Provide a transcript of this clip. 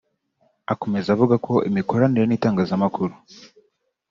Akomeza avuga ko imikoranire n’itangazamakuru